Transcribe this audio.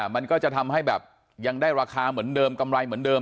มันก็จะทำให้แบบยังได้ราคาเหมือนเดิมกำไรเหมือนเดิม